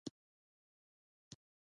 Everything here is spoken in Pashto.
ایا جنګ مو لیدلی؟